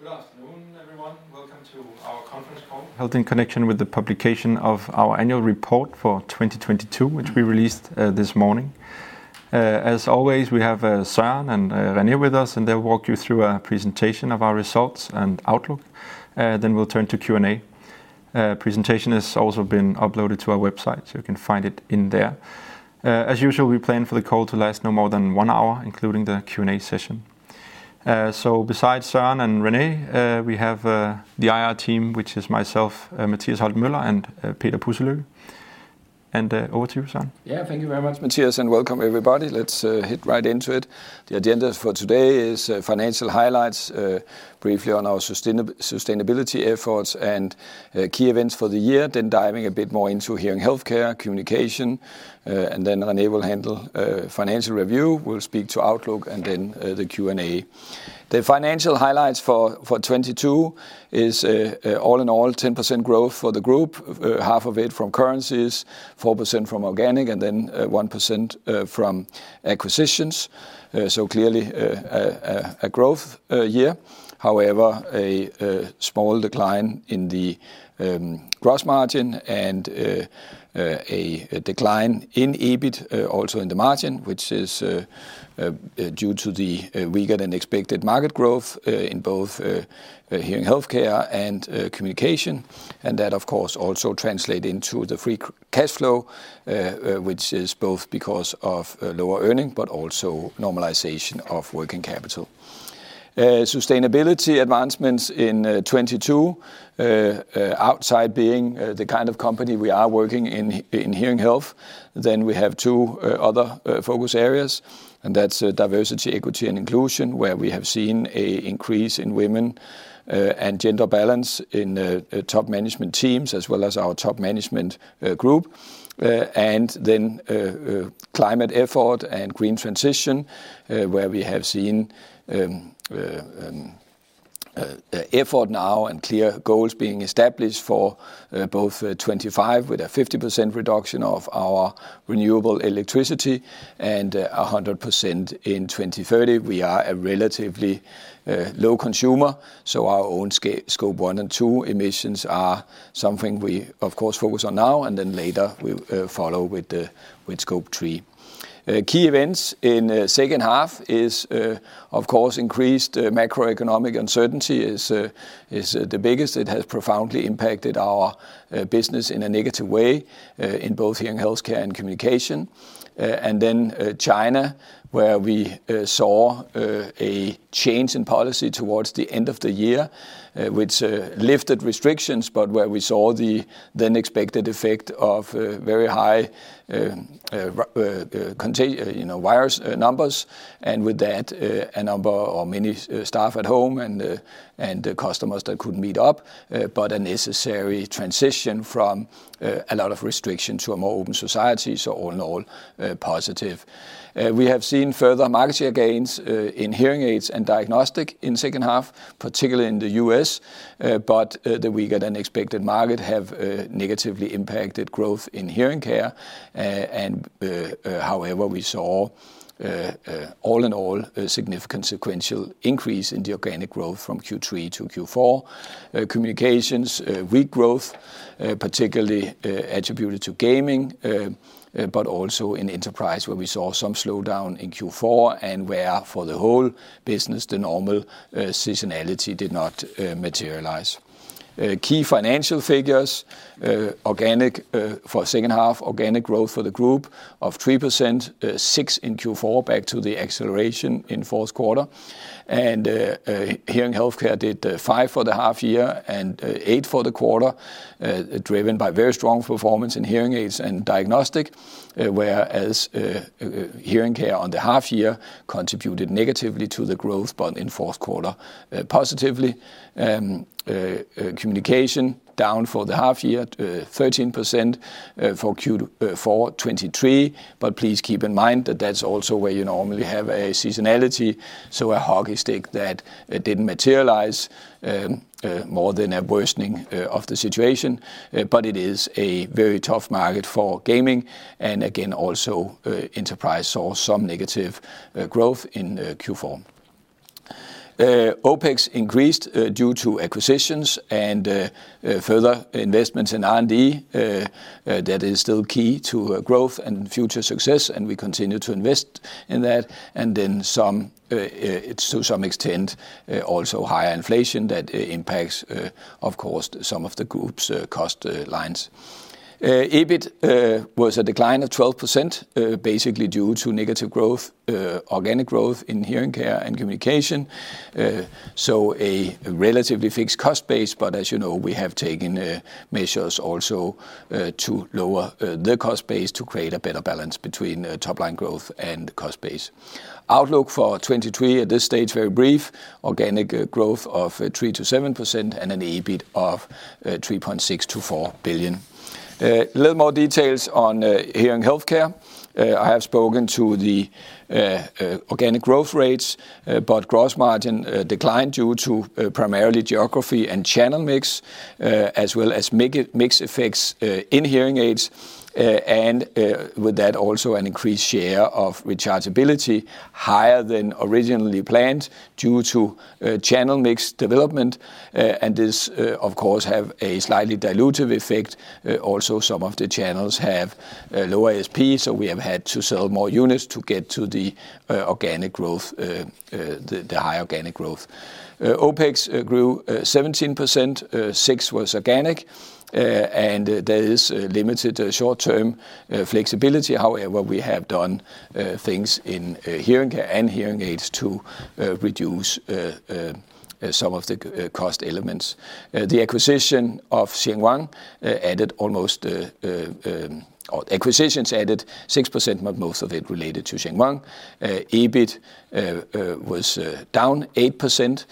Good afternoon, everyone. Welcome to our conference call, held in connection with the publication of our annual report for 2022, which we released this morning. As always, we have Soren and René with us, and they'll walk you through a presentation of our results and outlook. We'll turn to Q&A. Presentation has also been uploaded to our website, so you can find it in there. As usual, we plan for the call to last no more than one hour, including the Q&A session. Besides Soren and René, we have the IR team, which is myself, Mathias Holten Møller and Peter Pudselykke. Over to you, Soren. Yeah, thank you very much, Mathias, and welcome everybody. Let's hit right into it. The agenda for today is financial highlights, briefly on our sustainability efforts and key events for the year, then diving a bit more into hearing healthcare, communication, and then René will handle financial review. We'll speak to outlook and then the Q&A. The financial highlights for 2022 is all in all, 10% growth for the group, half of it from currencies, 4% from organic, and then 1% from acquisitions. Clearly, a growth year. A small decline in the gross margin and a decline in EBIT also in the margin, which is due to the weaker-than-expected market growth in both hearing healthcare and communication. That of course also translates into the free cash flow, which is both because of lower earnings, but also normalization of working capital. Sustainability advancements in 2022, outside being the kind of company we are working in hearing health, then we have two other focus areas, and that's diversity, equity, and inclusion, where we have seen an increase in women and gender balance in top management teams as well as our top management group. Climate effort and green transition, where we have seen effort now and clear goals being established for both 2025 with a 50% reduction of our renewable electricity and 100% in 2030. We are a relatively low consumer, so our own Scope 1 and 2 emissions are something we of course focus on now, and then later we'll follow with the Scope 3. Key events in second half is of course increased macroeconomic uncertainty is the biggest. It has profoundly impacted our business in a negative way in both hearing healthcare and communication. China, where we saw a change in policy towards the end of the year which lifted restrictions, but where we saw the then expected effect of very high count, you know, virus numbers and with that a number or many staff at home and, and customers that couldn't meet up but a necessary transition from a lot of restriction to a more open society, so all in all positive. We have seen further market share gains, in hearing aids and diagnostic in second half, particularly in the U.S., but the weaker-than-expected market have negatively impacted growth in hearing care. And however, we saw all in all, a significant sequential increase in the organic growth from Q3 to Q4. Communications, weak growth, particularly attributed to gaming, but also in enterprise where we saw some slowdown in Q4 and where for the whole business, the normal seasonality did not materialize. Key financial figures, organic, for second half, organic growth for the group of 3%, 6% in Q4, back to the acceleration in fourth quarter. Hearing healthcare did 5% for the half year and 8% for the quarter, driven by very strong performance in hearing aids and diagnostic, whereas hearing care on the half year contributed negatively to the growth, but in fourth quarter, positively. Communication down for the half year 13% for Q4 2023, but please keep in mind that that's also where you normally have a seasonality, so a hockey stick that didn't materialize, more than a worsening of the situation. It is a very tough market for gaming, and again, also, enterprise saw some negative growth in Q4. OpEx increased due to acquisitions and further investments in R&D. That is still key to growth and future success, and we continue to invest in that. To some extent, also higher inflation that impacts, of course, some of the group's cost lines. EBIT was a decline of 12%, basically due to negative growth, organic growth in hearing care and communication. A relatively fixed cost base, but as you know, we have taken measures also to lower the cost base to create a better balance between top line growth and cost base. Outlook for 2023 at this stage, very brief. Organic growth of 3%-7% and an EBIT of 3.6 billion-4.0 billion. Little more details on hearing healthcare. I have spoken to the organic growth rates, but gross margin declined due to primarily geography and channel mix, as well as mix effects in hearing aids, and with that also an increased share of rechargeability higher than originally planned due to channel mix development, and this of course, have a slightly dilutive effect. Also, some of the channels have lower ASP, so we have had to sell more units to get to the organic growth, the high organic growth. OpEx grew 17%, 6% was organic, and there is limited short-term flexibility. However, we have done things in hearing care and hearing aids to reduce some of the cost elements. The acquisition of ShengWang added almost, or acquisitions added 6%, but most of it related to ShengWang. EBIT was down 8%,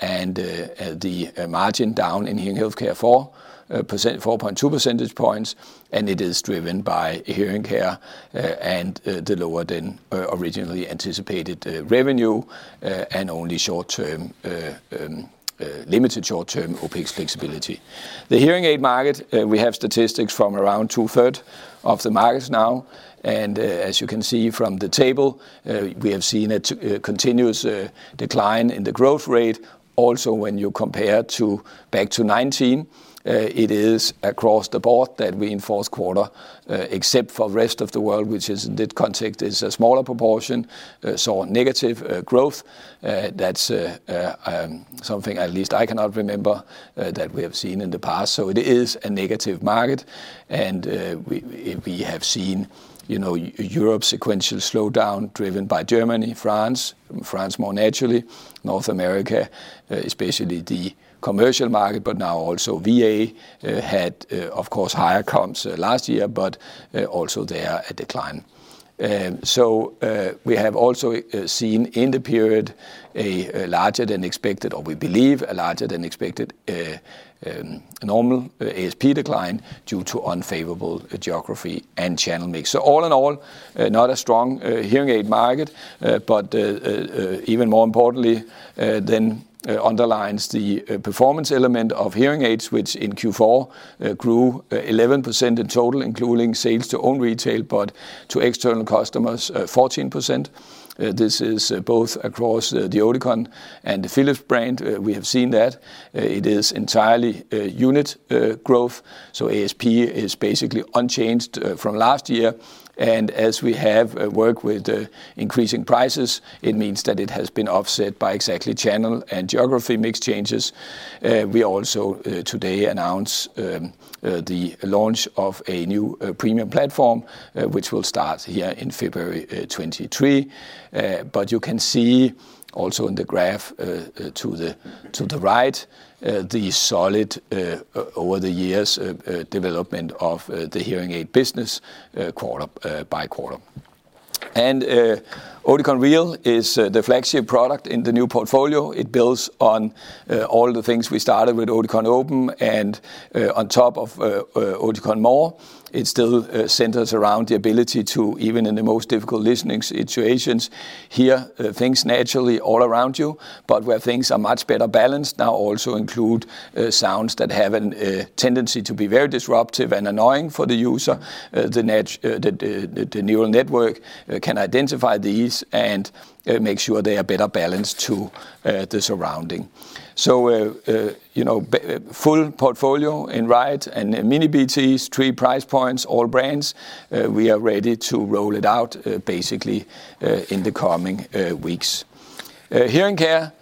and the margin down in hearing healthcare 4%, 4.2 percentage points, and it is driven by hearing care, and the lower than originally anticipated revenue, and only short-term, limited short-term OpEx flexibility. The hearing aid market, we have statistics from around two-third of the markets now, and as you can see from the table, we have seen a continuous decline in the growth rate. When you compare to back to 2019, it is across the board that we, in fourth quarter, except for rest of the world, which is, in that context, is a smaller proportion, saw negative growth. That's something at least I cannot remember that we have seen in the past. It is a negative market, we have seen, you know, Europe sequential slowdown driven by Germany, France more naturally. North America, especially the commercial market, but now also VA had, of course, higher comps last year, but also they are a decline. We have also seen in the period a larger-than-expected, or we believe a larger-than-expected, normal ASP decline due to unfavorable geography and channel mix. All in all, not a strong hearing aid market, but even more importantly, then underlines the performance element of hearing aids, which in Q4 grew 11% in total, including sales to own retail, but to external customers, 14%. This is both across the Oticon and the Philips brand. We have seen that. It is entirely unit growth. ASP is basically unchanged from last year. As we have worked with increasing prices, it means that it has been offset by exactly channel and geography mix changes. We also today announce the launch of a new premium platform, which will start here in February 2023. You can see also in the graph to the right, the solid over the years development of the hearing aid business quarter by quarter. Oticon Real is the flagship product in the new portfolio. It builds on all the things we started with Oticon Opn and on top of Oticon More. It still centers around the ability to, even in the most difficult listening situations, hear things naturally all around you, but where things are much better balanced now also include sounds that have a tendency to be very disruptive and annoying for the user. The neural network can identify these and make sure they are better balanced to the surrounding. You know, full portfolio in RITE and miniBTEs, 3 price points, all brands. We are ready to roll it out, basically, in the coming weeks. Hearing care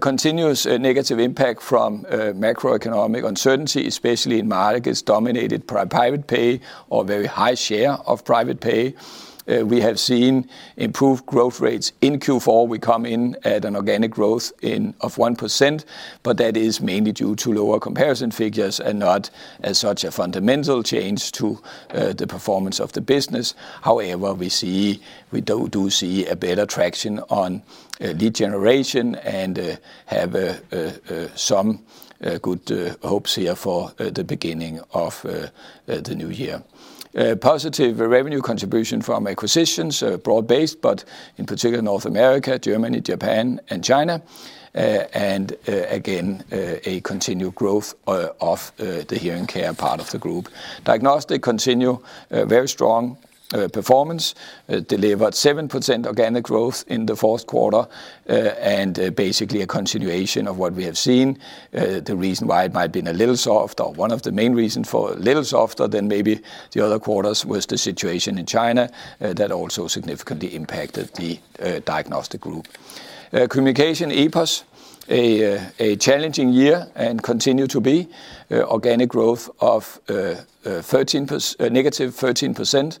continues negative impact from macroeconomic uncertainty, especially in markets dominated private pay or very high share of private pay. We have seen improved growth rates. In Q4, we come in at an organic growth in, of 1%, but that is mainly due to lower comparison figures and not as such a fundamental change to the performance of the business. However, we see a better traction on lead generation and have some good hopes here for the beginning of the new year. Positive revenue contribution from acquisitions, broad-based, but in particular North America, Germany, Japan and China. Again, a continued growth of the hearing care part of the group. Diagnostic continue very strong performance, delivered 7% organic growth in the fourth quarter, basically a continuation of what we have seen. The reason why it might have been a little softer, one of the main reason for a little softer than maybe the other quarters was the situation in China, that also significantly impacted the Diagnostic group. Communication-EPOS, a challenging year and continue to be. Organic growth of -13%.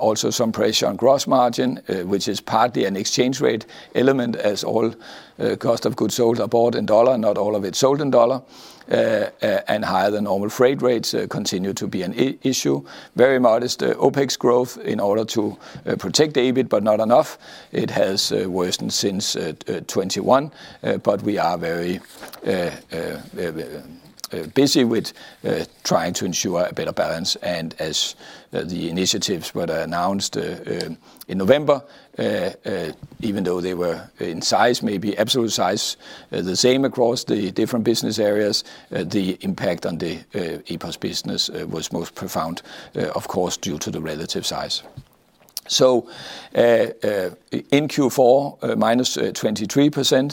Also some pressure on gross margin, which is partly an exchange rate element as all cost of goods sold are bought in the dollar, not all of it sold in the dollar. Higher-than-normal freight rates continue to be an issue. Very modest OpEx growth in order to protect the EBIT, but not enough. It has worsened since 2021. We are very busy with trying to ensure a better balance. As the initiatives were announced in November, even though they were in size, maybe absolute size, the same across the different business areas, the impact on the EPOS business was most profound, of course, due to the relative size. In Q4, -23%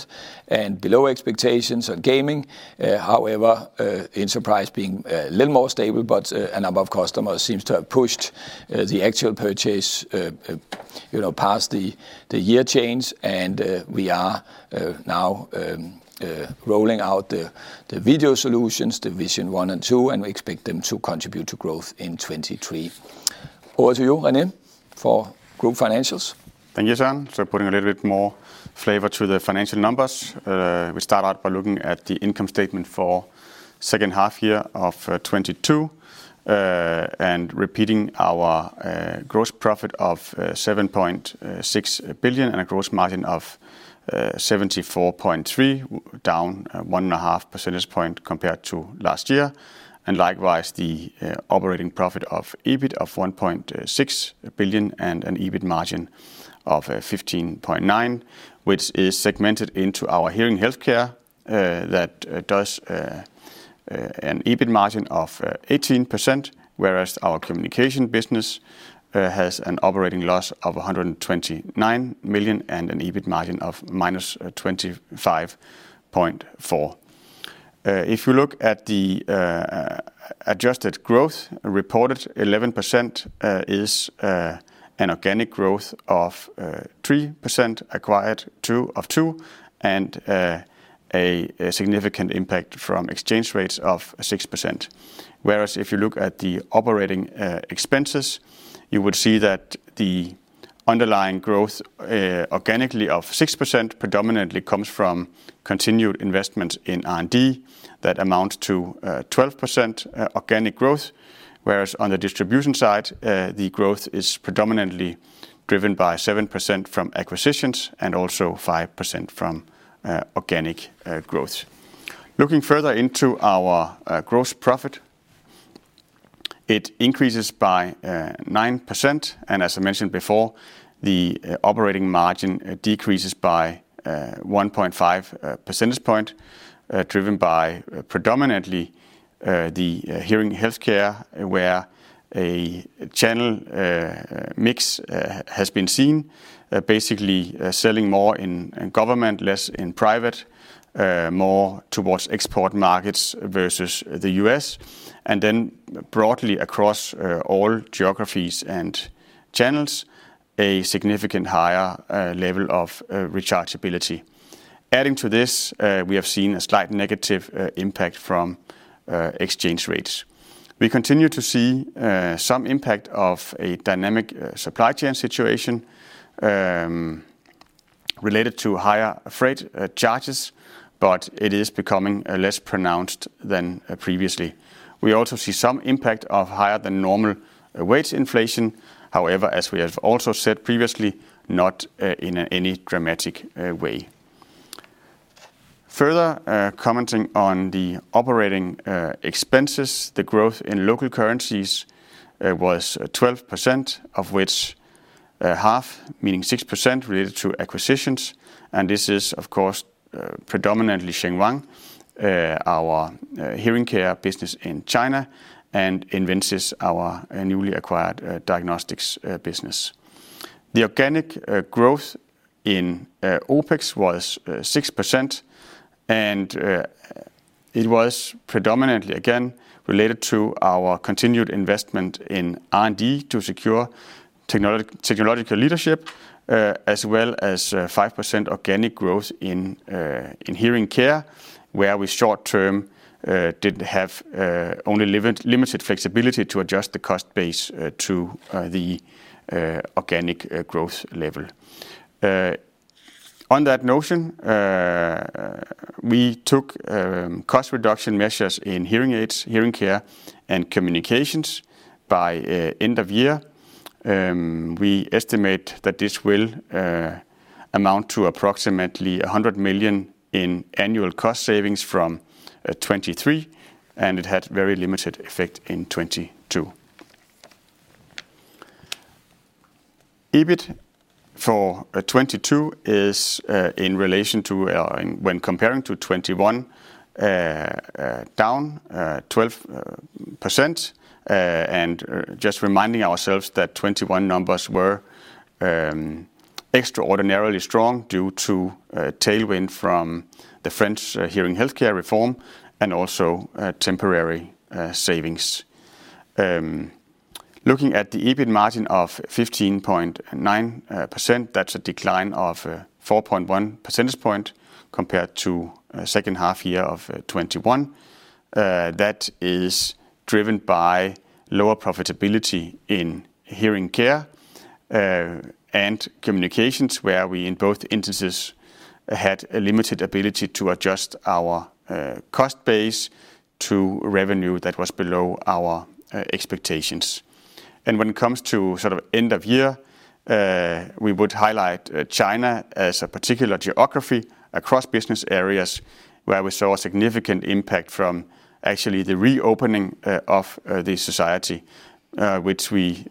and below expectations on gaming. However, Enterprise being a little more stable, but a number of customers seems to have pushed the actual purchase, you know, past the year change. We are now rolling out the video solutions, the Vision 1 and 2, and we expect them to contribute to growth in 2023. Over to you, René, for group financials. Thank you, Soren. Putting a little bit more flavor to the financial numbers, we start out by looking at the income statement for second half year of 2022, and repeating our gross profit of 7.6 billion and a gross margin of 74.3%, down 1.5 percentage points compared to last year. Likewise, the operating profit of EBIT of 1.6 billion and an EBIT margin of 15.9%, which is segmented into our hearing healthcare, that does an EBIT margin of 18%, whereas our Communication business has an operating loss of 129 million and an EBIT margin of -25.4%. If you look at the adjusted growth, reported 11%, is an organic growth of 3% acquired two, and a significant impact from exchange rates of 6%. Whereas if you look at the operating expenses, you would see that the underlying growth organically of 6% predominantly comes from continued investments in R&D that amount to 12% organic growth. Whereas on the distribution side, the growth is predominantly driven by 7% from acquisitions and also 5% from organic growth. Looking further into our gross profit, it increases by 9%. As I mentioned before, the operating margin decreases by 1.5 percentage point, driven by predominantly the hearing healthcare, where a channel mix has been seen, basically selling more in government, less in private, more towards export markets versus the U.S. Broadly across all geographies and channels, a significant higher level of rechargeability. Adding to this, we have seen a slight negative impact from exchange rates. We continue to see some impact of a dynamic supply chain situation, related to higher freight charges, but it is becoming less pronounced than previously. We also see some impact of higher than normal wage inflation. However, as we have also said previously, not in any dramatic way. Further, commenting on the operating expenses, the growth in local currencies was 12%, of which half, meaning 6%, related to acquisitions. This is, of course, predominantly ShengWang, our hearing care business in China, and Inventis, our newly acquired diagnostics business. The organic growth in OpEx was 6%, and it was predominantly, again, related to our continued investment in R&D to secure technological leadership, as well as 5% organic growth in in hearing care, where we short-term did have only limited flexibility to adjust the cost base to the organic growth level. On that notion, we took cost reduction measures in hearing aids, hearing care, and communications. By end of year, we estimate that this will amount to approximately 100 million in annual cost savings from 2023, and it had very limited effect in 2022. EBIT for 2022 is in relation to, when comparing to 2021, down 12%. Just reminding ourselves that 2021 numbers were extraordinarily strong due to tailwind from the French hearing healthcare reform and also temporary savings. Looking at the EBIT margin of 15.9%, that's a decline of 4.1 percentage point compared to second half year of 2021. That is driven by lower profitability in hearing care and communications, where we, in both instances, had a limited ability to adjust our cost base to revenue that was below our expectations. When it comes to sort of end of year, we would highlight China as a particular geography across business areas where we saw a significant impact from actually the reopening of the society, which we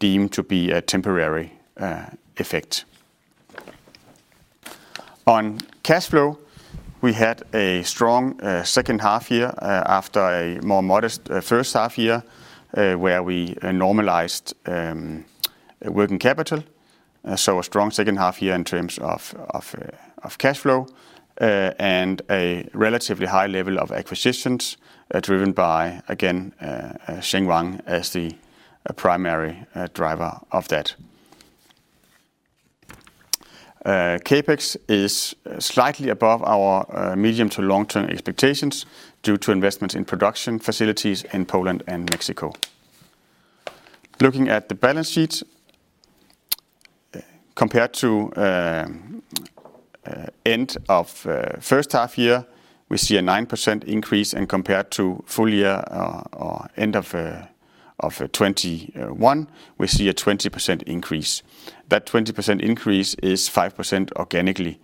deem to be a temporary effect. On cash flow, we had a strong second half year, after a more modest first half year, where we normalized working capital. A strong second half year in terms of cash flow and a relatively high level of acquisitions driven by again ShengWang as the primary driver of that. CapEx is slightly above our medium to long-term expectations due to investments in production facilities in Poland and Mexico. Looking at the balance sheet, compared to end of first half year, we see a 9% increase, and compared to full year end of 2021, we see a 20% increase. That 20% increase is 5% organically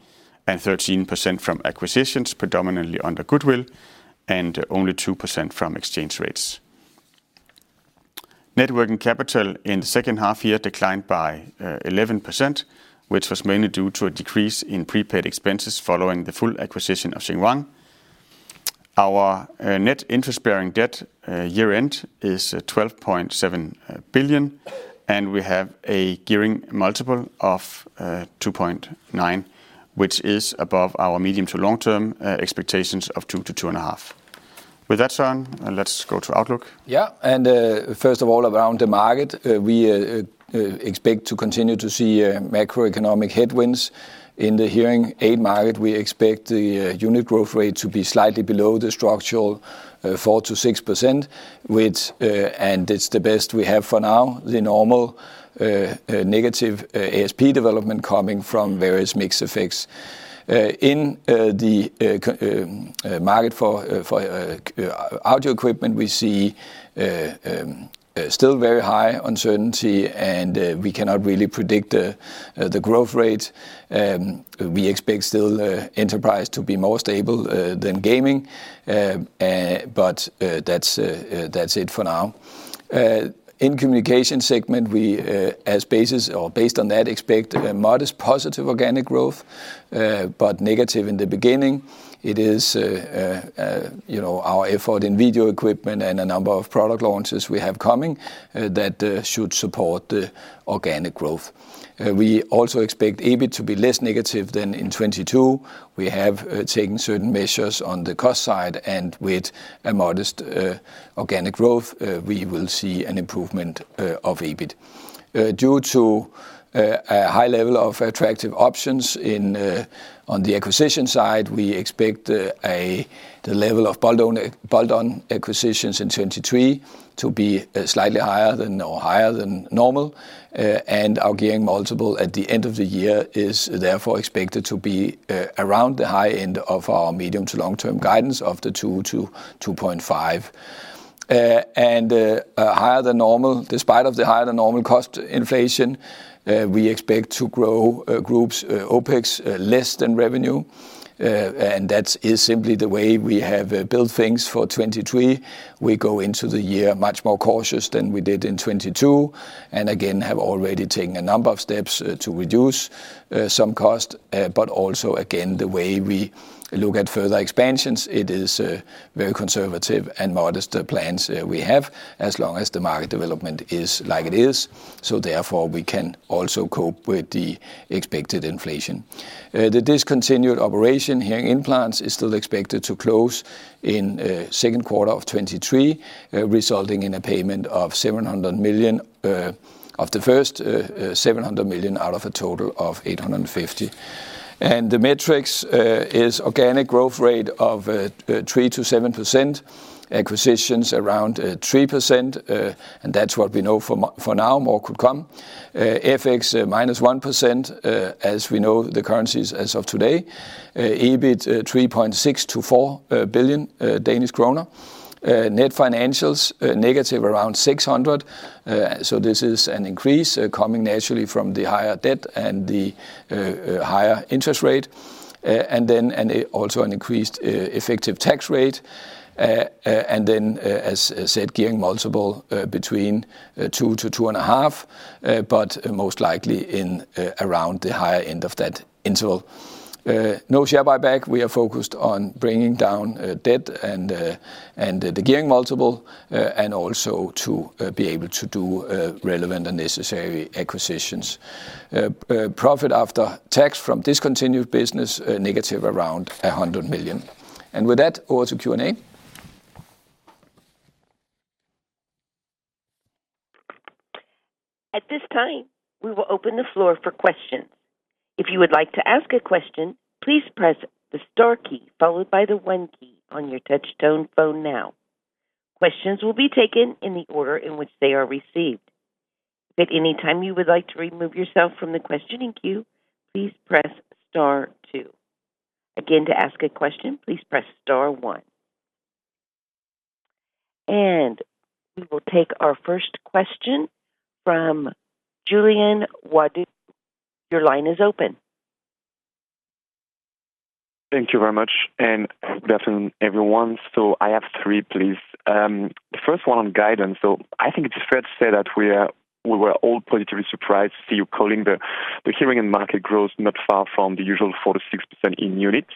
and 13% from acquisitions predominantly under goodwill, and only 2% from exchange rates. Net working capital in the second half year declined by 11%, which was mainly due to a decrease in prepaid expenses following the full acquisition of ShengWang. Our net interest-bearing debt year-end is 12.7 billion. We have a gearing multiple of 2.9, which is above our medium to long-term expectations of 2-2.5. With that, Soren, let's go to outlook. Yeah. First of all, around the market, we expect to continue to see macroeconomic headwinds. In the hearing aid market, we expect the unit growth rate to be slightly below the structural 4%-6%, which, and it's the best we have for now, the normal negative ASP development coming from various mix effects. In the market for audio equipment, we see still very high uncertainty, and we cannot really predict the growth rate. We expect still enterprise to be more stable than gaming. That's it for now. In Communication segment, we as basis or based on that, expect a modest positive organic growth, but negative in the beginning. It is, you know, our effort in video equipment and a number of product launches we have coming that should support the organic growth. We also expect EBIT to be less negative than in 2022. We have taken certain measures on the cost side, and with a modest organic growth, we will see an improvement of EBIT. Due to a high level of attractive options on the acquisition side, we expect the level of bolt-on acquisitions in 2023 to be slightly higher than or higher than normal. Our gearing multiple at the end of the year is therefore expected to be around the high end of our medium to long-term guidance of the 2.0-2.5. Higher than normal. Despite of the higher than normal cost inflation, we expect to grow group's OpEx less than revenue. That is simply the way we have built things for 2023. We go into the year much more cautious than we did in 2022, and again, have already taken a number of steps to reduce some cost. Also again, the way we look at further expansions, it is very conservative and modest, the plans we have, as long as the market development is like it is. Therefore, we can also cope with the expected inflation. The discontinued operation hearing implants is still expected to close in second quarter of 2023, resulting in a payment of 700 million of the first 700 million out of a total of 850 million. The metric is organic growth rate of 3%-7%, acquisitions around 3%, and that's what we know for now. More could come. FX -1%, as we know the currencies as of today. EBIT 3.6 billion-4.0 billion Danish kroner. Net financials negative around 600. This is an increase coming naturally from the higher debt and the higher interest rate. Also an increased effective tax rate. As said, gearing multiple between 2x-2.5x, but most likely in around the higher end of that interval. No share buyback. We are focused on bringing down debt and the gearing multiple, and also to be able to do relevant and necessary acquisitions. Profit after tax from discontinued business, negative around 100 million. With that, over to Q&A. At this time, we will open the floor for questions. If you would like to ask a question, please press the star key followed by the one key on your touchtone phone now. Questions will be taken in the order in which they are received. If at any time you would like to remove yourself from the questioning queue, please press star two. Again, to ask a question, please press star one. We will take our first question from Julien Ouaddour. Your line is open. Thank you very much. Good afternoon, everyone. I have three, please. The first one on guidance. I think it's fair to say that we were all positively surprised to see you calling the hearing aid market growth not far from the usual 4%-6% in units,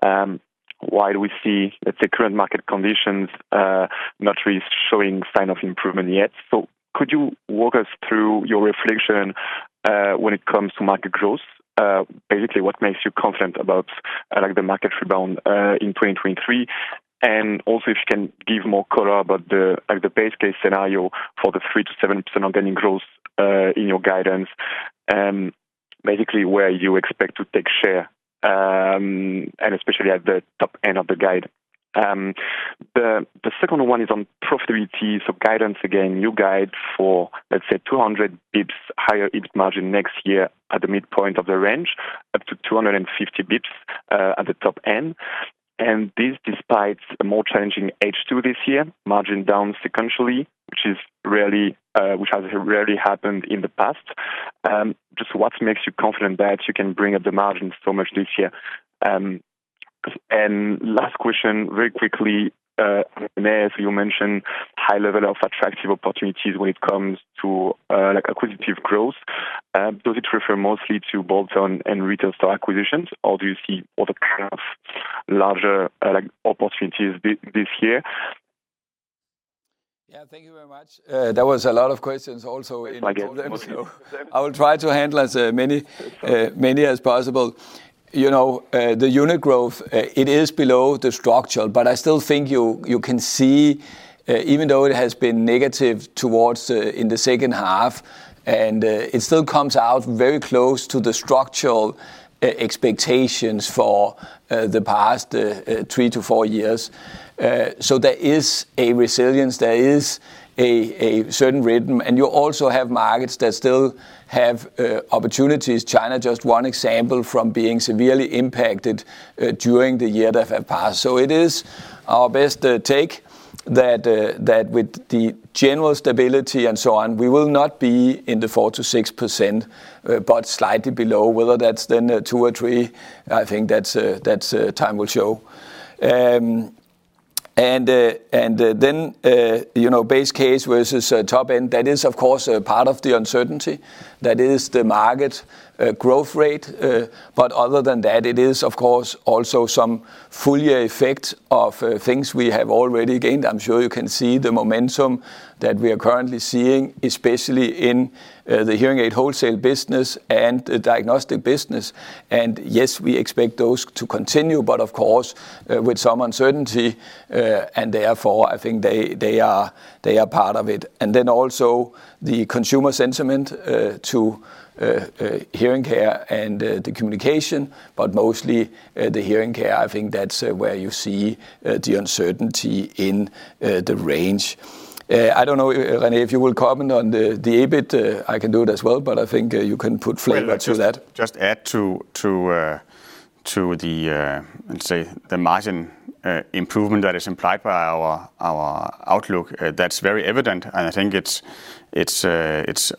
while we see that the current market conditions not really showing sign of improvement yet. Could you walk us through your reflection when it comes to market growth? Basically what makes you confident about like the market rebound in 2023? Also if you can give more color about like the base case scenario for the 3%-7% organic growth in your guidance, basically where you expect to take share, and especially at the top end of the guide. The second one is on profitability. Guidance, again, you guide for, let's say, 200 bps higher EBIT margin next year at the midpoint of the range, up to 250 bps at the top end. This despite a more challenging H2 this year, margin down sequentially, which has rarely happened in the past. Just what makes you confident that you can bring up the margin so much this year? Last question very quickly, René, as you mentioned, high level of attractive opportunities when it comes to like acquisitive growth. Does it refer mostly to bolt-on and retail store acquisitions, or do you see other kind of larger, like, opportunities this year? Yeah, thank you very much. That was a lot of questions also into them. I get mostly. I will try to handle as many, many as possible. You know, the unit growth, it is below the structural, but I still think you can see, even though it has been negative towards in the second half, it still comes out very close to the structural expectations for the past three to four years. There is a resilience, there is a certain rhythm. You also have markets that still have opportunities. China, just one example from being severely impacted during the year that have passed. It is our best take that with the general stability and so on, we will not be in the 4%-6%, but slightly below, whether that's then two or three, I think that's time will show. You know, base case versus top end, that is of course a part of the uncertainty. That is the market growth rate. Other than that, it is of course also some full year effect of things we have already gained. I'm sure you can see the momentum that we are currently seeing, especially in the hearing aid wholesale business and the diagnostic business. Yes, we expect those to continue, but of course, with some uncertainty. Therefore, I think they are part of it. Also the consumer sentiment to hearing care and the communication, but mostly the hearing care, I think that's where you see the uncertainty in the range. I don't know, René, if you will comment on the EBIT. I can do it as well, but I think you can put flavor to that. Just add to the, let's say, the margin improvement that is implied by our outlook. That's very evident, and I think it's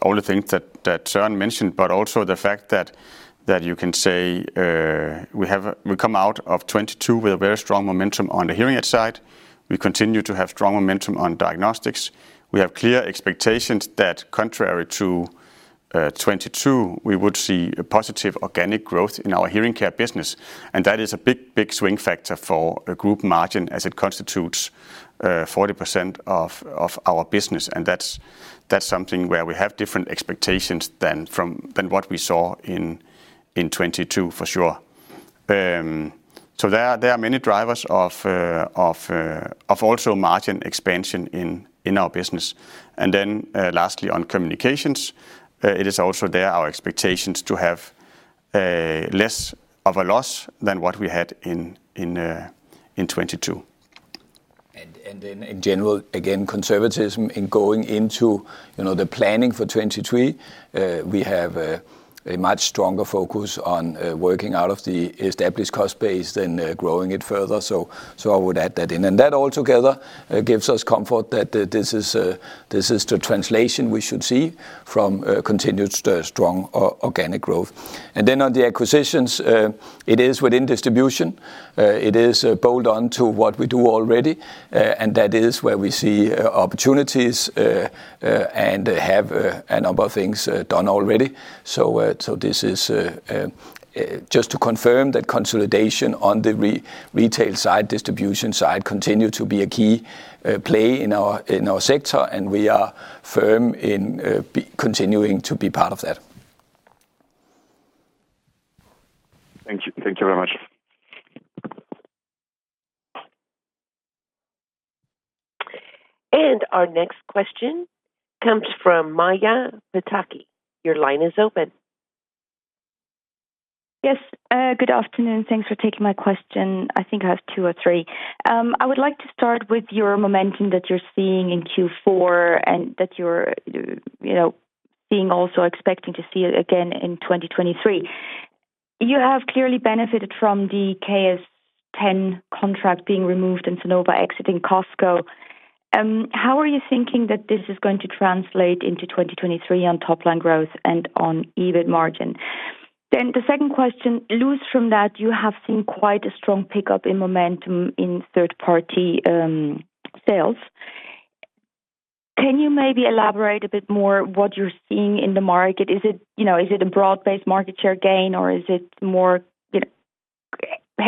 all the things that Soren mentioned, but also the fact that you can say, we come out of 2022 with a very strong momentum on the hearing aid side. We continue to have strong momentum on diagnostics. We have clear expectations that contrary to 2022, we would see a positive organic growth in our hearing care business. That is a big swing factor for a group margin as it constitutes 40% of our business. That's something where we have different expectations than what we saw in 2022 for sure. There are many drivers of also margin expansion in our business. Lastly, on Communications, it is also there our expectations to have less of a loss than what we had in 2022. In general, again, conservatism in going into, you know, the planning for 2023. We have a much stronger focus on working out of the established cost base than growing it further. I would add that in. That all together gives us comfort that this is the translation we should see from continued strong organic growth. On the acquisitions, it is within distribution. It is bolt on to what we do already. That is where we see opportunities and have a number of things done already. This is just to confirm that consolidation on the retail side, distribution side continue to be a key play in our, in our sector, and we are firm in continuing to be part of that. Thank you. Thank you very much. Our next question comes from Maja Pataki. Your line is open. Yes, good afternoon. Thanks for taking my question. I think I have two or three. I would like to start with your momentum that you're seeing in Q4 and that you're, you know, being also expecting to see it again in 2023. You have clearly benefited from the KS10 contract being removed and Sonova exiting Costco. How are you thinking that this is going to translate into 2023 on top line growth and on EBIT margin? The second question, loose from that, you have seen quite a strong pickup in momentum in third-party sales. Can you maybe elaborate a bit more what you're seeing in the market? Is it, you know, is it a broad-based market share gain, or is it more, you know,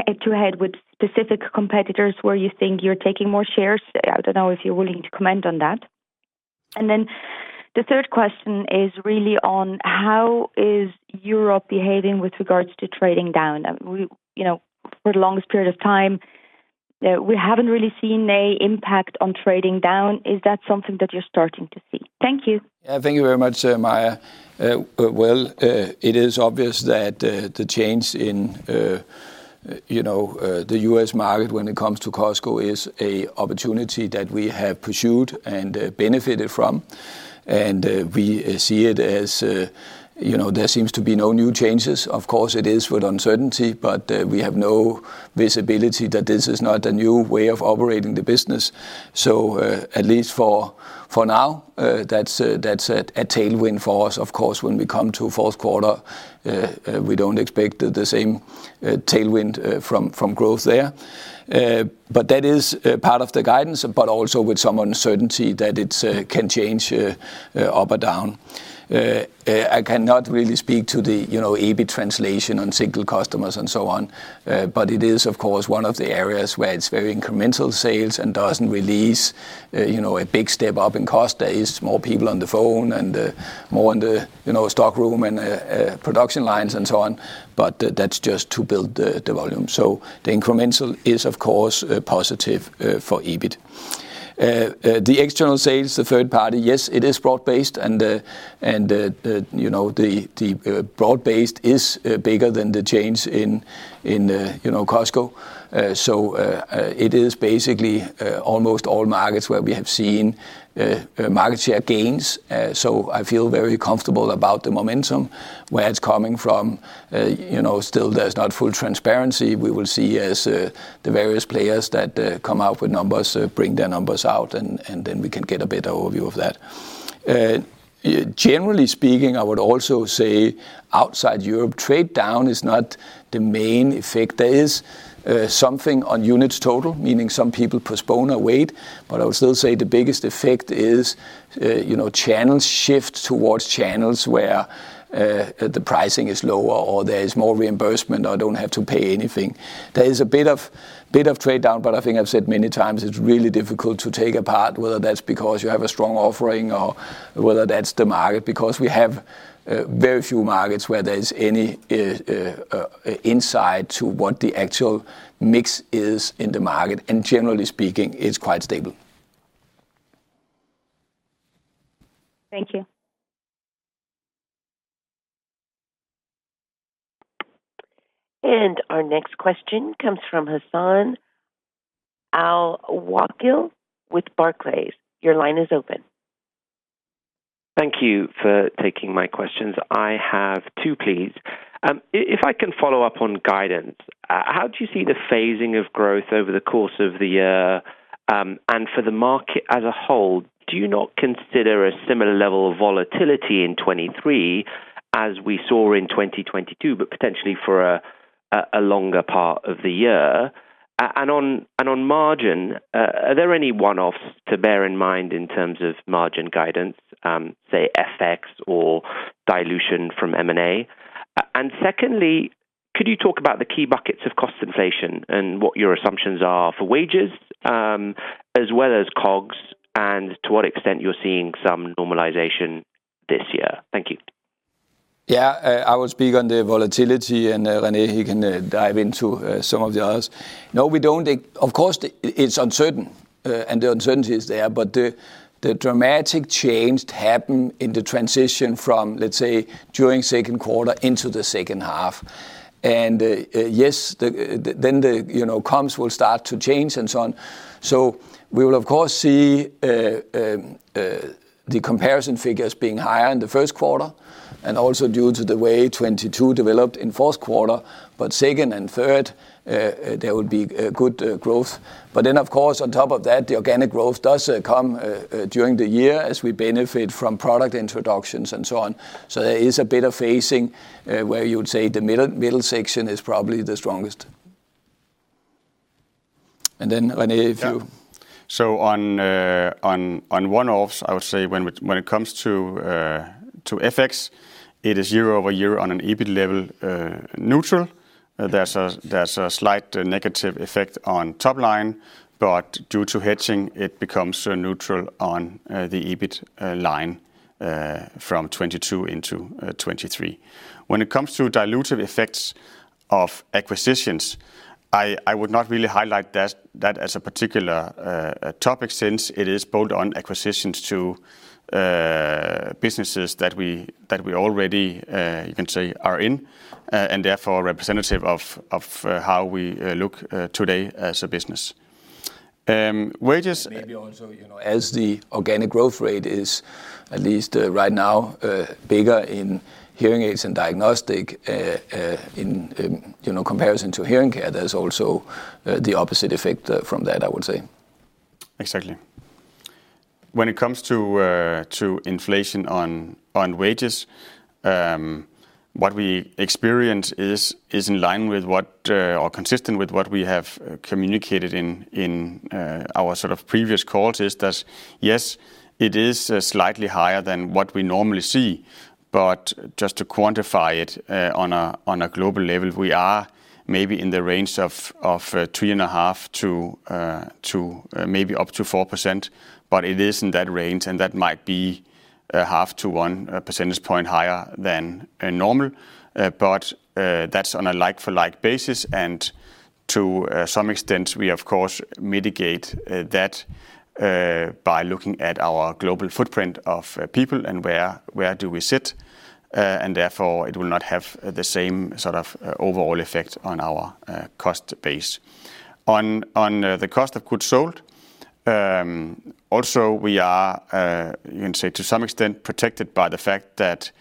head to head with specific competitors where you think you're taking more shares? I don't know if you're willing to comment on that. Then the third question is really on how is Europe behaving with regards to trading down? We, you know, for the longest period of time, we haven't really seen a impact on trading down. Is that something that you're starting to see? Thank you. Yeah, thank you very much, Maja. Well, it is obvious that the change in, you know, the U.S. market when it comes to Costco is a opportunity that we have pursued and benefited from. We see it as, you know, there seems to be no new changes. Of course, it is with uncertainty, but we have no visibility that this is not a new way of operating the business. At least for now, that's a tailwind for us. Of course, when we come to fourth quarter, we don't expect the same tailwind from growth there. That is part of the guidance, but also with some uncertainty that it's can change up or down. I cannot really speak to the, you know, EBIT translation on single customers and so on. It is, of course, one of the areas where it's very incremental sales and doesn't release, you know, a big step-up in cost. There is more people on the phone and more in the, you know, stockroom and production lines and so on, but that's just to build the volume. The incremental is, of course, a positive for EBIT. The external sales, the third party, yes, it is broad-based and the, you know, the, broad-based is bigger than the change in, you know, Costco. It is basically almost all markets where we have seen market share gains. I feel very comfortable about the momentum. Where it's coming from, you know, still there's not full transparency. We will see as the various players that come out with numbers, bring their numbers out, and then we can get a better overview of that. Generally speaking, I would also say outside Europe, trade down is not the main effect. There is something on units total, meaning some people postpone or wait, but I would still say the biggest effect is, you know, channels shift towards channels where the pricing is lower or there is more reimbursement or don't have to pay anything. There is a bit of trade-down, but I think I've said many times it's really difficult to take apart whether that's because you have a strong offering or whether that's the market. We have very few markets where there's any insight to what the actual mix is in the market, and generally speaking, it's quite stable. Thank you. Our next question comes from Hassan Al-Wakeel with Barclays. Your line is open. Thank you for taking my questions. I have two, please. If I can follow up on guidance, how do you see the phasing of growth over the course of the year? For the market as a whole, do you not consider a similar level of volatility in 2023 as we saw in 2022, but potentially for a longer part of the year? On, and on margin, are there any one-offs to bear in mind in terms of margin guidance, say FX or dilution from M&A? Secondly, could you talk about the key buckets of cost inflation and what your assumptions are for wages, as well as COGS, and to what extent you're seeing some normalization this year? Thank you. I will speak on the volatility, and René, he can dive into some of the others. No, we don't. Of course, it's uncertain, and the uncertainty is there, but the dramatic change happened in the transition from, let's say, during second quarter into the second half. Yes, then the, you know, comms will start to change and so on. We will, of course, see the comparison figures being higher in the first quarter and also due to the way 2022 developed in fourth quarter. Second and third, there will be good growth. Of course, on top of that, the organic growth does come during the year as we benefit from product introductions and so on. There is a bit of phasing, where you would say the middle section is probably the strongest. Rene, if you- Yeah. On one-offs, I would say when it comes to FX, it is year-over-year on an EBIT level, neutral. There's a slight negative effect on top line, but due to hedging, it becomes neutral on the EBIT line from 2022 into 2023. When it comes to dilutive effects of acquisitions, I would not really highlight that as a particular topic since it is built on acquisitions to businesses that we already, you can say, are in and therefore representative of how we look today as a business. Wages. Maybe also, you know, as the organic growth rate is at least, right now, bigger in hearing aids and diagnostic, in, you know, comparison to hearing care, there's also, the opposite effect, from that, I would say. Exactly. When it comes to inflation on wages, what we experience is in line with what, or consistent with what we have communicated in our sort of previous calls, is that yes, it is slightly higher than what we normally see. Just to quantify it, on a global level, we are maybe in the range of 3.5% to 4%, but it is in that range, and that might be 0.5 to 1 percentage points higher than normal. That's on a like-for-like basis, and to some extent we of course mitigate that by looking at our global footprint of people and where do we sit, and therefore it will not have the same sort of overall effect on our cost base. On the cost of goods sold, also we are, you can say to some extent protected by the fact that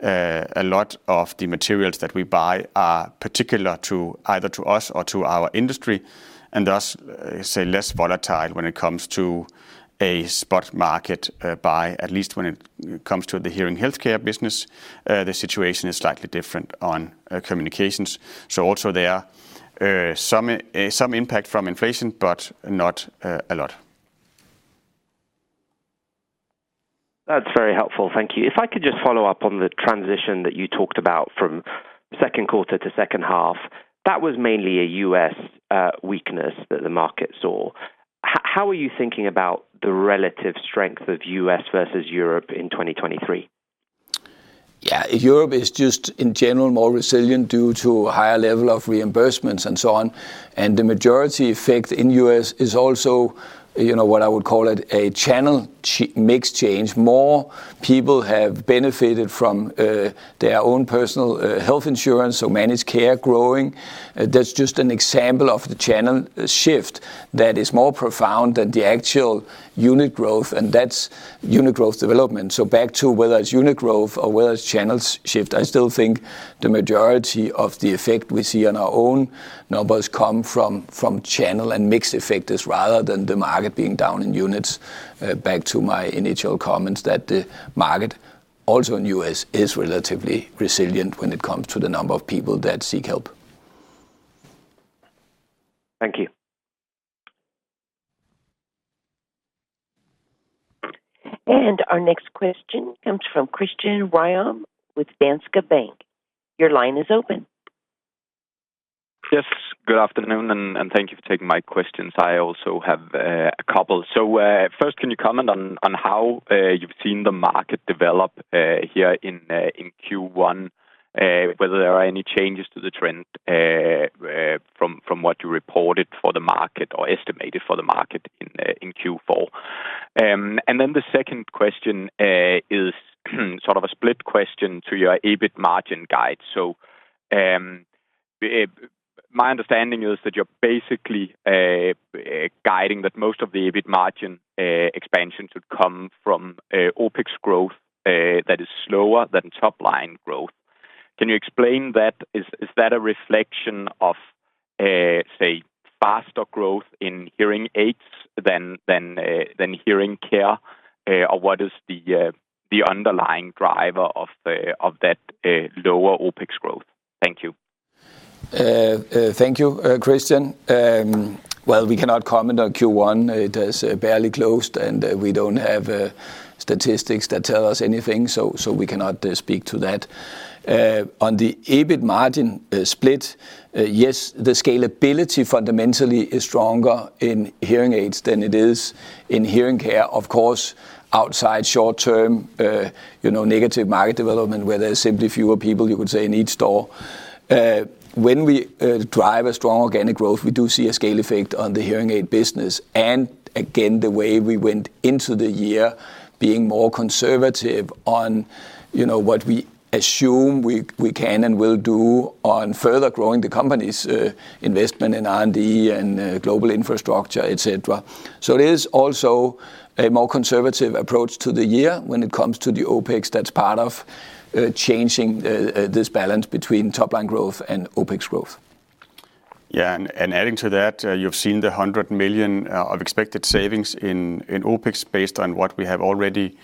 a lot of the materials that we buy are particular to either to us or to our industry, and thus, say, less volatile when it comes to a spot market buy, at least when it comes to the hearing healthcare business. The situation is slightly different on Communications. Also there are some impact from inflation, but not a lot. That's very helpful. Thank you. If I could just follow up on the transition that you talked about from second quarter to second half, that was mainly a U.S. weakness that the market saw. How are you thinking about the relative strength of U.S. versus Europe in 2023? Yeah. Europe is just in general more resilient due to higher level of reimbursements and so on. The majority effect in U.S. is also, you know, what I would call it, a channel mix change. More people have benefited from their own personal health insurance, so managed care growing. That's just an example of the channel shift that is more profound than the actual unit growth, and that's unit growth development. Back to whether it's unit growth or whether it's channel shift, I still think the majority of the effect we see on our own numbers come from channel and mix effect rather than the market being down in units. Back to my initial comments that the market also in U.S. is relatively resilient when it comes to the number of people that seek help. Thank you. Our next question comes from Christian Ryom with Danske Bank. Your line is open. Good afternoon, and thank you for taking my questions. I also have a couple. First, can you comment on how you've seen the market develop here in Q1, whether there are any changes to the trend from what you reported for the market or estimated for the market in Q4? The second question is sort of a split question to your EBIT margin guide. My understanding is that you're basically guiding that most of the EBIT margin expansion should come from OpEx growth that is slower than top line growth. Can you explain that? Is that a reflection of say, faster growth in hearing aids than hearing care? What is the underlying driver of the, of that, lower OpEx growth? Thank you. Thank you, Christian. Well, we cannot comment on Q1. It has barely closed, and we don't have statistics that tell us anything, so we cannot speak to that. On the EBIT margin split, yes, the scalability fundamentally is stronger in hearing aids than it is in hearing care. Of course, outside short-term, you know, negative market development where there's simply fewer people, you could say, in each store. When we drive a strong organic growth, we do see a scale effect on the hearing aid business. Again, the way we went into the year being more conservative on, you know, what we assume we can and will do on further growing the company's investment in R&D and global infrastructure, et cetera. It is also a more conservative approach to the year when it comes to the OpEx that's part of changing the this balance between top-line growth and OpEx growth. Adding to that, you've seen the 100 million of expected savings in OpEx based on what we have already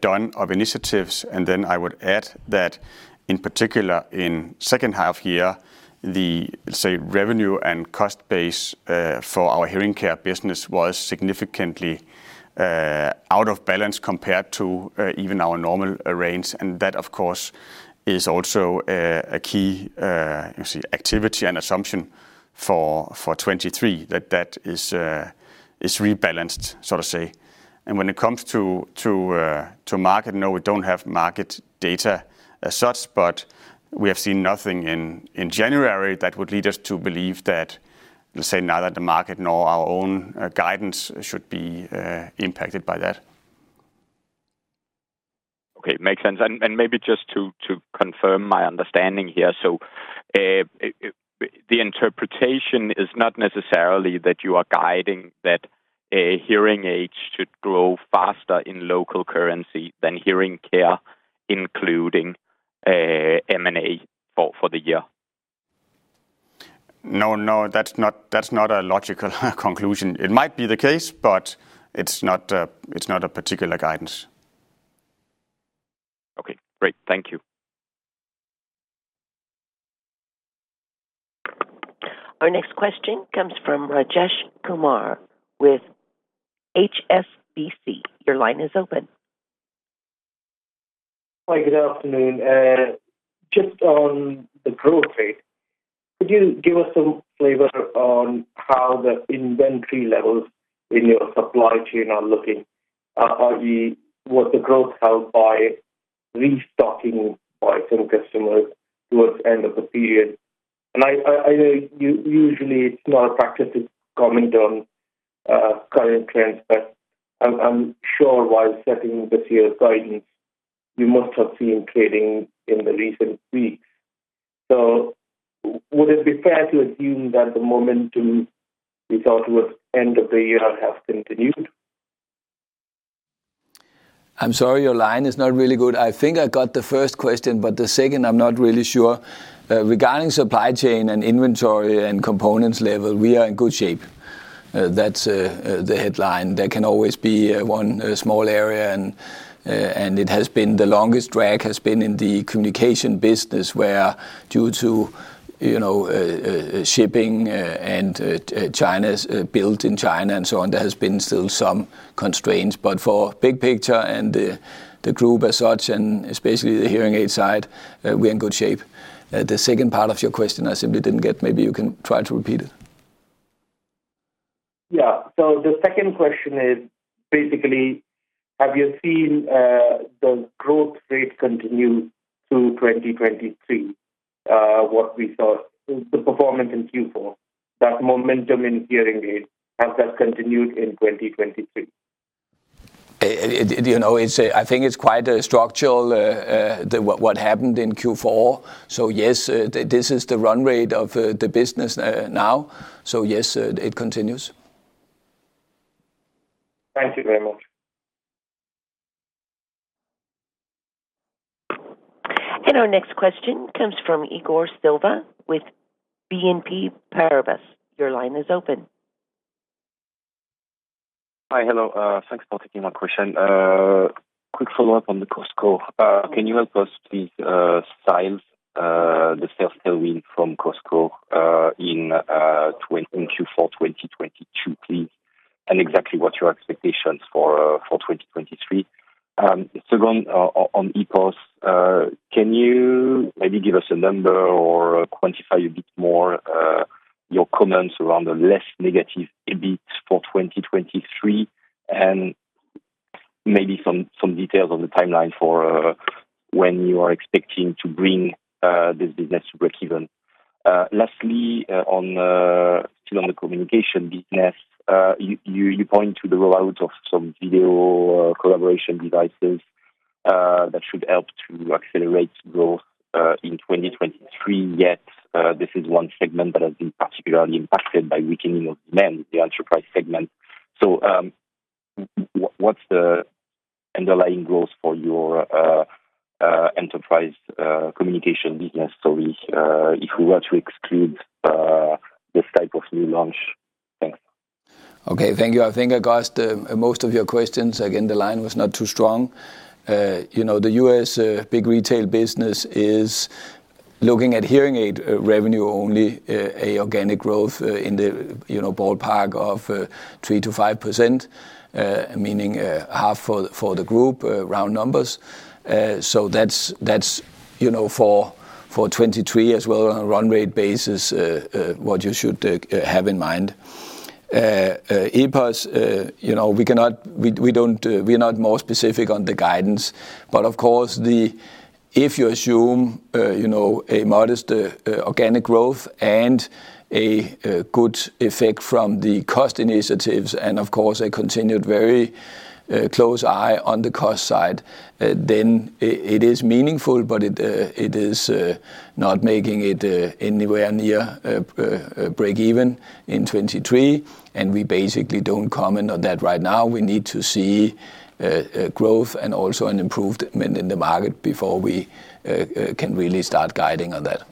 done of initiatives. I would add that in particular in second half-year, the, say, revenue and cost base for our hearing care business was significantly out of balance compared to even our normal range. That of course, is also a key, you see, activity and assumption for 2023, that that is rebalanced, so to say. When it comes to market, no, we don't have market data as such, but we have seen nothing in January that would lead us to believe that, let's say neither the market nor our own guidance should be impacted by that. Okay. Makes sense. Maybe just to confirm my understanding here. The interpretation is not necessarily that you are guiding that a hearing aid should grow faster in local currency than hearing care, including M&A for the year? No, no, that's not, that's not a logical conclusion. It might be the case, but it's not, it's not a particular guidance. Okay, great. Thank you. Our next question comes from Rajesh Kumar with HSBC. Your line is open. Hi, good afternoon. Just on the growth rate, could you give us some flavor on how the inventory levels in your supply chain are looking? Was the growth held by restocking by some customers towards end of the period? I know usually it's not a practice to comment on current trends, but I'm sure while setting this year's guidance, you must have seen trading in the recent weeks. Would it be fair to assume that the momentum we saw towards end of the year has continued? I'm sorry, your line is not really good. I think I got the first question, but the second I'm not really sure. Regarding supply chain and inventory and components level, we are in good shape. That's the headline. There can always be one small area and it has been the longest drag has been in the Communication business where due to, you know, shipping and China's built in China and so on, there has been still some constraints. For big picture and the group as such, and especially the hearing aid side, we're in good shape. The second part of your question I simply didn't get, maybe you can try to repeat it. Yeah. The second question is basically, have you seen the growth rate continue through 2023, what we saw in the performance in Q4, that momentum in hearing aids, has that continued in 2023? you know, I think it's quite a structural, what happened in Q4. This is the run-rate of, the business, now. It continues. Thank you very much. Our next question comes from Hugo Solvet with BNP Paribas. Your line is open. Hi. Hello. Thanks for taking my question. Quick follow-up on the Costco. Can you help us please size the sales tailwind from Costco in Q4 2022, please? Exactly what your expectations for 2023? Second, on EPOS, can you maybe give us a number or quantify a bit more your comments around the less negative EBIT for 2023 and maybe some details on the timeline for when you are expecting to bring this business to breakeven? Lastly, still on the Communication business, you point to the roll-out of some video collaboration devices that should help to accelerate growth in 2023. Yet, this is one segment that has been particularly impacted by weakening of demand, the enterprise segment. What's the underlying growth for your enterprise Communication business story, if we were to exclude this type of new launch? Thanks. Okay. Thank you. I think I got most of your questions. Again, the line was not too strong. You know, the U.S. big retail business is looking at hearing aid revenue only an organic growth in the, you know, ballpark of 3%-5%, meaning half for the group, round numbers. So that's, you know, for 2023 as well on a run-rate basis, what you should have in mind. EPOS, you know, we don't we're not more specific on the guidance. Of course, if you assume, you know, a modest organic growth and a good effect from the cost initiatives, and of course, a continued very close eye on the cost side, then it is meaningful, but it is not making it anywhere near break-even in 2023, and we basically don't comment on that right now. We need to see growth and also an improvement in the market before we can really start guiding on that.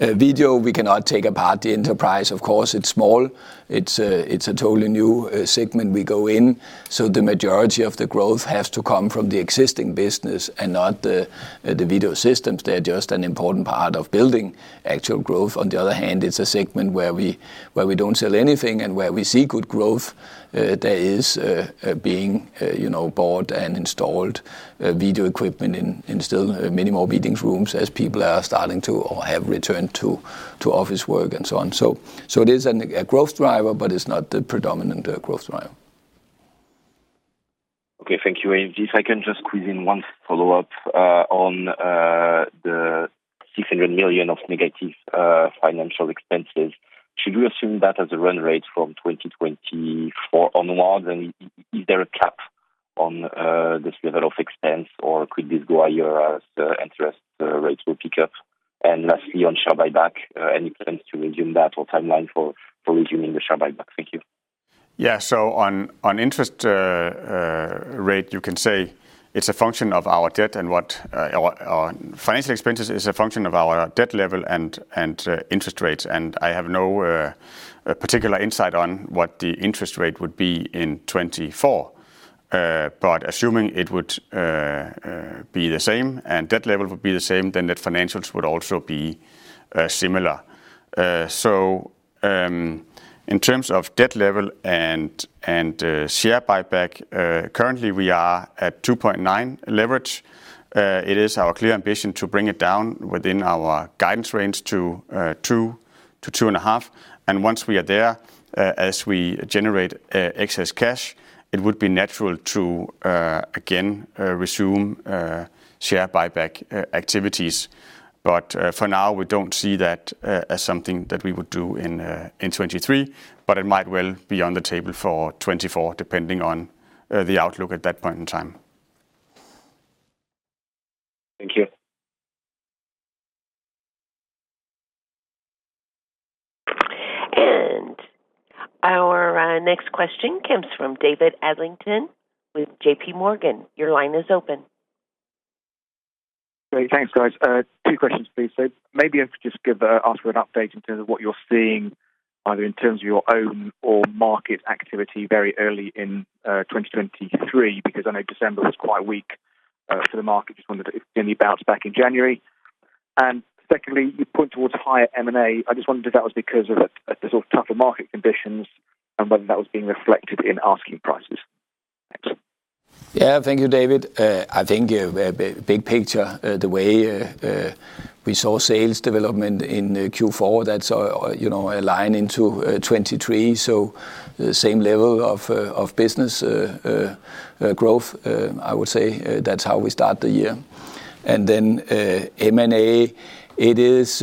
Video, we cannot take apart the enterprise. Of course, it's small. It's a, it's a totally new segment we go in, so the majority of the growth has to come from the existing business and not the video systems. They're just an important part of building actual growth. On the other hand, it's a segment where we don't sell anything and where we see good growth. There is, you know, being bought and installed video equipment in still many more meeting rooms as people are starting to or have returned to office work and so on. It is a growth driver, but it's not the predominant growth driver. Okay. Thank you. If I can just squeeze in one follow-up, on the 600 million of negative financial expenses. Should we assume that as a run-rate from 2024 onwards? Is there a cap on this level of expense, or could this go higher as interest rates will pick up? Lastly, on share buyback, any plans to resume that or timeline for resuming the share buyback? Thank you. Yeah. On interest rate, you can say it's a function of our debt and what our financial expenses is a function of our debt level and interest rates. I have no particular insight on what the interest rate would be in 2024. Assuming it would be the same and debt level would be the same, then the financials would also be similar. In terms of debt level and share buyback, currently we are at 2.9x leverage. It is our clear ambition to bring it down within our guidance range to 2x-2.5x. Once we are there, as we generate excess cash, it would be natural to again resume share buyback activities. For now, we don't see that as something that we would do in 2023, but it might well be on the table for 2024, depending on the outlook at that point in time. Thank you. Our next question comes from David Adlington with JPMorgan. Your line is open. Great. Thanks, guys. two questions, please. Maybe I could just ask for an update in terms of what you're seeing either in terms of your own or market activity very early in 2023. I know December was quite weak for the market, just wondered if any bounce back in January. Secondly, you point towards higher M&A. I just wondered if that was because of the sort of tougher market conditions and whether that was being reflected in asking prices. Thanks. Yeah. Thank you, David. I think, big picture, the way we saw sales development in Q4, that's, you know, align into 2023. The same level of business growth, I would say, that's how we start the year. M&A, it is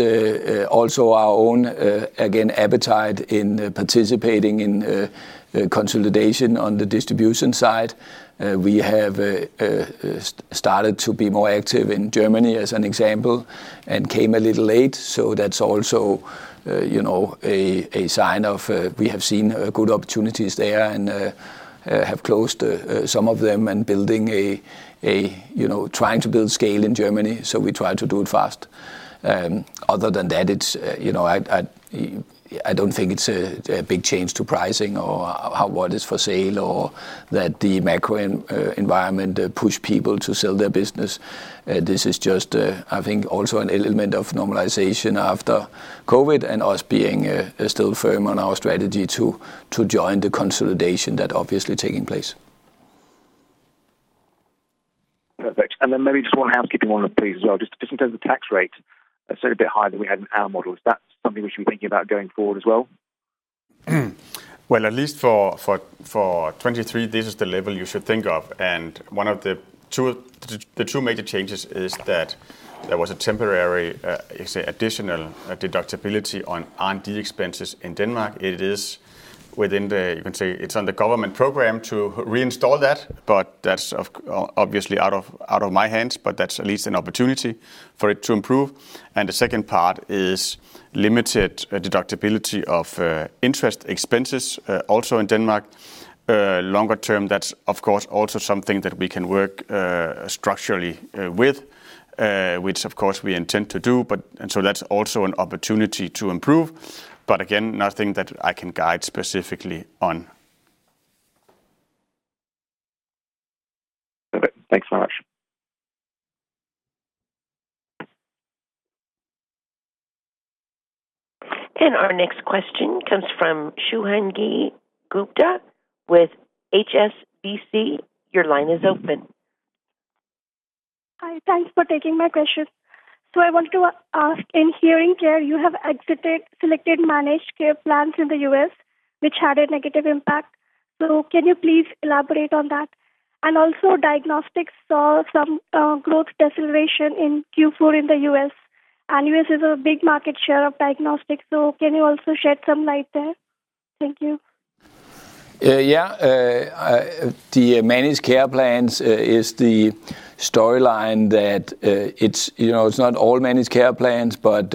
also our own, again, appetite in participating in consolidation on the distribution side. We have started to be more active in Germany as an example, and came a little late. That's also, you know, a sign of, we have seen good opportunities there and have closed some of them and building, you know, trying to build scale in Germany, so we try to do it fast. Other than that, it's, you know, I don't think it's a big change to pricing or what is for sale or that the macro environment push people to sell their business. This is just, I think also an element of normalization after COVID and us being still firm on our strategy to join the consolidation that obviously taking place. Perfect. Maybe just one housekeeping one please as well. Just in terms of tax rate, sort of a bit higher than we had in our models. Is that something we should be thinking about going forward as well? Well, at least for 2023, this is the level you should think of. The two major changes is that there was a temporary additional deductibility on R&D expenses in Denmark. It is within the, you can say, it's on the government program to reinstall that's obviously out of my hands. That's at least an opportunity for it to improve. The second part is limited deductibility of interest expenses also in Denmark. Longer term, that's of course also something that we can work structurally with which of course we intend to do, so that's also an opportunity to improve. Again, nothing that I can guide specifically on. Perfect. Thanks so much. Our next question comes from Shubhangi Gupta with HSBC. Your line is open. Hi. Thanks for taking my question. I want to ask, in hearing care, you have exited selected managed care plans in the U.S., which had a negative impact. Can you please elaborate on that? Also diagnostics saw some growth deceleration in Q4 in the U.S. and U.S. is a big market share of diagnostics. Can you also shed some light there? Thank you. Yeah. The managed care plans is the storyline that it's, you know, it's not all managed care plans, but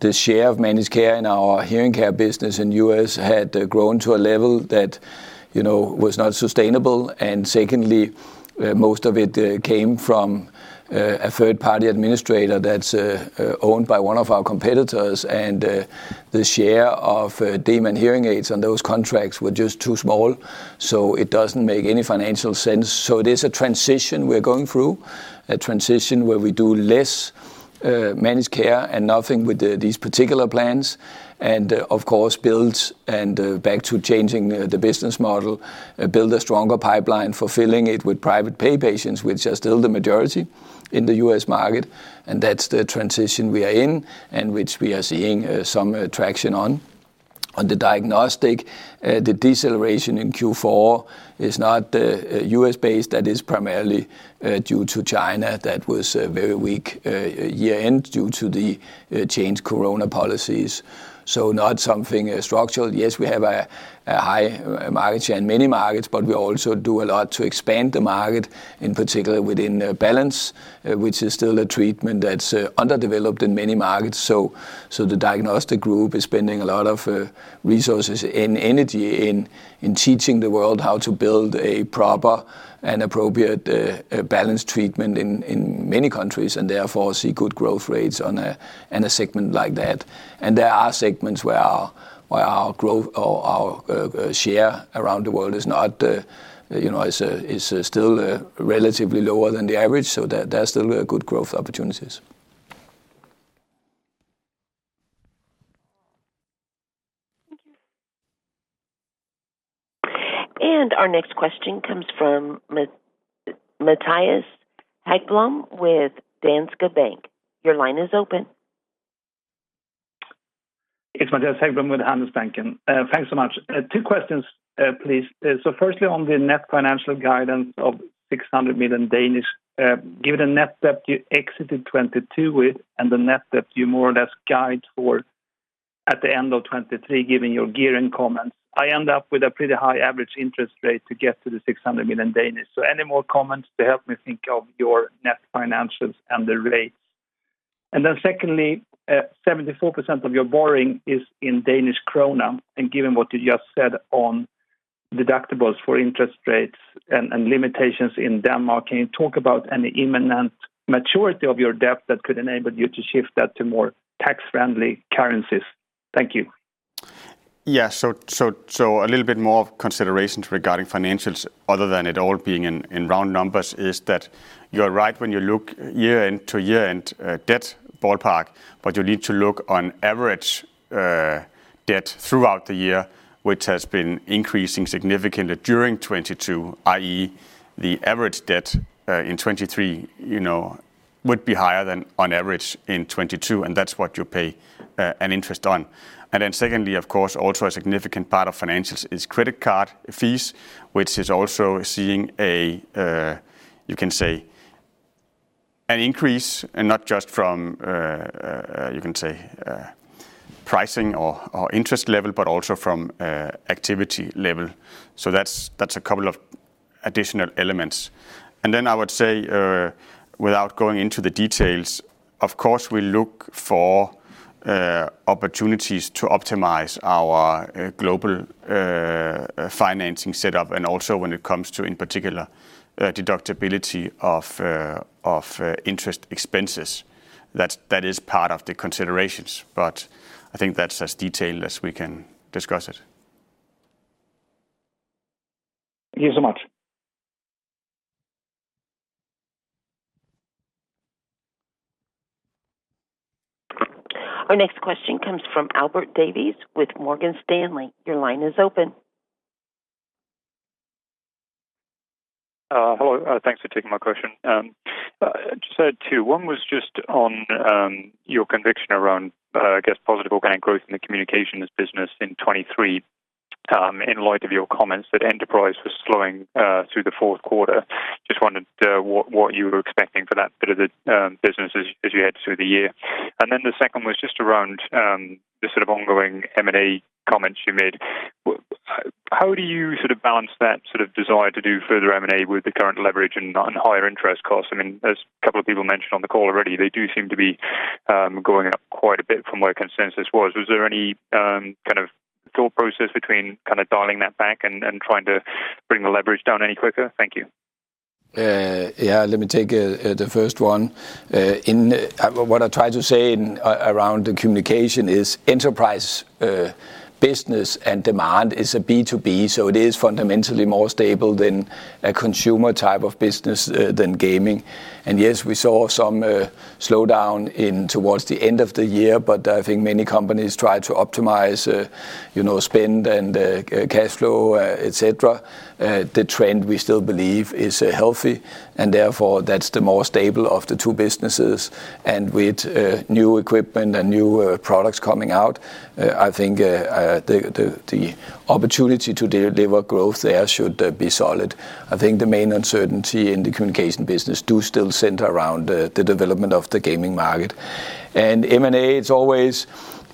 the share of managed care in our hearing care business in U.S. had grown to a level that, you know, was not sustainable. Secondly, most of it came from a third-party administrator that's owned by one of our competitors. The share of Demant hearing aids on those contracts were just too small. It doesn't make any financial sense. It is a transition we're going through, a transition where we do less managed care and nothing with these particular plans. Of course, builds and back to changing the business model, build a stronger pipeline for filling it with private pay patients, which are still the majority in the U.S. market. That's the transition we are in and which we are seeing some traction on. On the diagnostic, the deceleration in Q4 is not U.S.-based. That is primarily due to China. That was a very weak year-end due to the changed corona policies. Not something structural. We have a high market share in many markets, but we also do a lot to expand the market, in particular within balance, which is still a treatment that's underdeveloped in many markets. The diagnostic group is spending a lot of resources and energy in teaching the world how to build a proper and appropriate balance treatment in many countries, and therefore see good growth rates on a, in a segment like that. There are segments where our growth or our share around the world is not, you know, is still relatively lower than the average. There's still good growth opportunities. Thank you. Our next question comes from Mattias Häggblom with Danske Bank. Your line is open. It's Mattias Häggblom with Handelsbanken. Thanks so much. Two questions, please. Firstly on the net financial guidance of 600 million, given the net debt you exited 2022 with and the net debt you more or less guide towards at the end of 2023 given your gearing comments, I end up with a pretty high average interest rate to get to the 600 million. Any more comments to help me think of your net financials and the rates? Secondly, 74% of your borrowing is in DKK. Given what you just said on deductibles for interest rates and limitations in Denmark, can you talk about any imminent maturity of your debt that could enable you to shift that to more tax-friendly currencies? Thank you. Yeah. So a little bit more of considerations regarding financials other than it all being in round numbers is that you're right when you look year-end to year-end, debt, ballpark. You need to look on average, debt throughout the year, which has been increasing significantly during 2022, i.e. the average debt in 2023, you know, would be higher than on average in 2022, and that's what you pay an interest on. Secondly, of course, also a significant part of financials is credit card fees, which is also seeing a, you can say an increase and not just from, you can say, pricing or interest level, but also from activity level. That's a couple of additional elements. I would say, without going into the details, of course, we look for opportunities to optimize our global financing setup, and also when it comes to, in particular, deductibility of interest expenses. That is part of the considerations. I think that's as detailed as we can discuss it. Thank you so much. Our next question comes from [Aisyah Noor] with Morgan Stanley. Your line is open. Hello. Thanks for taking my question. Just had two. One was just on your conviction around, I guess, positive organic growth in the Communications business in 2023, in light of your comments that enterprise was slowing through the fourth quarter. Just wondered what you were expecting for that bit of the business as you head through the year. The second was just around the sort of ongoing M&A comments you made. How do you sort of balance that sort of desire to do further M&A with the current leverage and higher interest costs? I mean, as a couple of people mentioned on the call already, they do seem to be going up quite a bit from where consensus was. Was there any, kind of thought process between kind of dialing that back and trying to bring the leverage down any quicker? Thank you Yeah. Let me take the first one. What I try to say around the Communication is enterprise business and Demant is a B2B, so it is fundamentally more stable than a consumer type of business than gaming. Yes, we saw some slowdown towards the end of the year, but I think many companies try to optimize, you know, spend and cash flow, et cetera. The trend we still believe is healthy, and therefore that's the more stable of the two businesses. With new equipment and new products coming out, I think the opportunity to deliver growth there should be solid. I think the main uncertainty in the Communication business do still center around the development of the gaming market. M&A, it's always,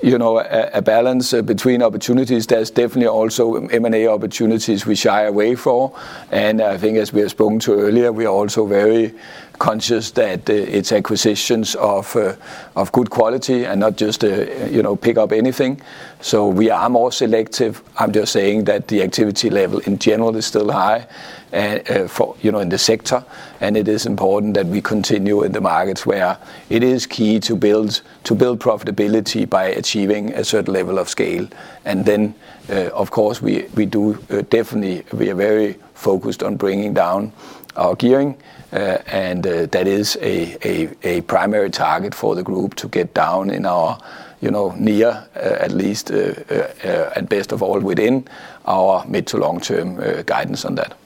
you know, a balance between opportunities. There's definitely also M&A opportunities we shy away for. I think as we have spoken to earlier, we are also very conscious that it's acquisitions of good quality and not just, you know, pick up anything. We are more selective. I'm just saying that the activity level in general is still high for, you know, in the sector. It is important that we continue in the markets where it is key to build, to build profitability by achieving a certain level of scale. Then, of course, we do, definitely we are very focused on bringing down our gearing. That is a primary target for the group to get down in our, you know, near, at least, and best of all within our mid to long term guidance on that.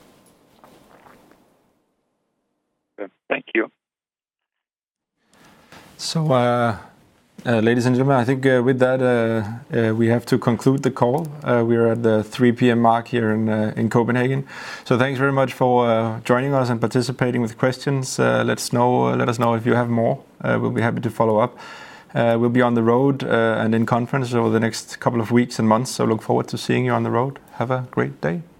Thank you. Ladies and gentlemen, I think, with that, we have to conclude the call. We are at the 3:00 P.M. mark here in Copenhagen. Thanks very much for joining us and participating with questions. Let us know if you have more. We'll be happy to follow up. We'll be on the road and in conference over the next couple of weeks and months. Look forward to seeing you on the road. Have a great day.